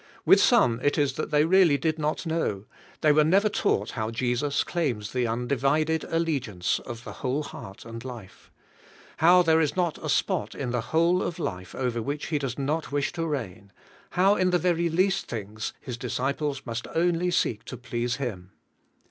With some it is that they really did not know ; they were never taught how Jesus claims the un divided allegiance of the whole heart and life; how there is not a spot in the whole of life over which He does not wish to reign ; how in the very least things His disciples must only seek to please Him.